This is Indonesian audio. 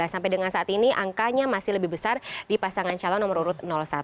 sampai dengan saat ini angkanya masih lebih besar di pasangan calon nomor urut satu